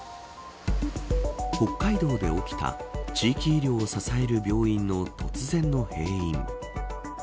北海道で起きた地域医療を支える病院の突然の閉院。